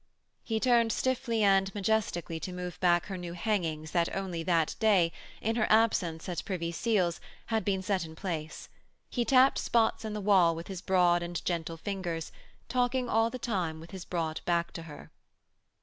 He turned stiffly and majestically to move back her new hangings that only that day, in her absence at Privy Seal's, had been set in place. He tapped spots in the wall with his broad and gentle fingers, talking all the time with his broad back to her.